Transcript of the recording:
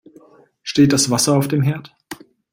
Steht das Wasser auf dem Herd?